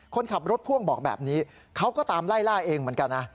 คนขับรถพ่วงบอกแบบนี้เขาก็ตามไล่ล่าเองเหมือนกันนะ